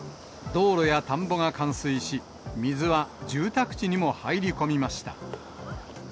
道路や田んぼが冠水し、水は住宅地にも入り込みました。